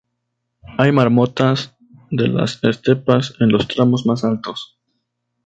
Hay marmotas de las estepas en los tramos más altos.